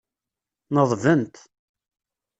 Neḍbent.